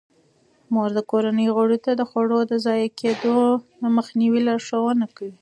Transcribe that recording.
مور د کورنۍ غړو ته د خوړو د ضایع کیدو د مخنیوي لارښوونه کوي.